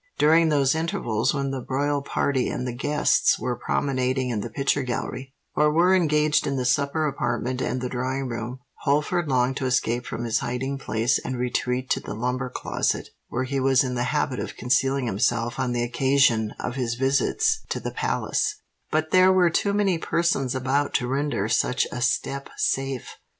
During those intervals when the royal party and the guests were promenading in the Picture Gallery or were engaged in the supper apartment and the drawing room, Holford longed to escape from his hiding place and retreat to the lumber closet where he was in the habit of concealing himself on the occasion of his visits to the palace; but there were too many persons about to render such a step safe.